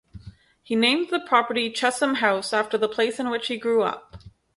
He named the property Chesham House, after the place in which he grew up.